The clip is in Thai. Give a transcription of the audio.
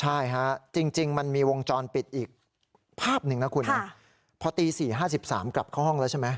ใช่ฮะจริงมันมีวงจรปิดอีกภาพหนึ่งนะคุณนะพอตี๔๕๓กลับเข้าห้องแล้วใช่ไหม